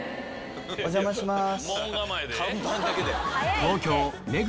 お邪魔します。